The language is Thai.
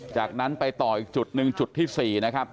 จากนั้นไปต่ออีกจุดหนึ่งจุดที่๔นะครับ